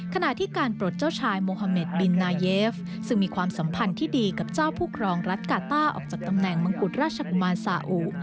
ขณะที่การปลดเจ้าชายโมฮาเมดบินนายเยฟซึ่งมีความสัมพันธ์ที่ดีกับเจ้าผู้ครองรัฐกาต้าออกจากตำแหน่งมงกุฎราชกุมารสาอุ